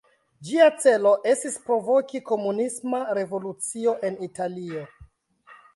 Ĝia celo estis provoki komunisma revolucio en Italio.